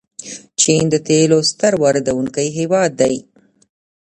چین د تیلو ستر واردونکی هیواد دی.